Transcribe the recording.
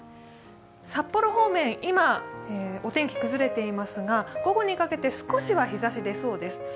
札幌方面、今、お天気崩れていますが、午後にかけて少しは日ざし出そうです。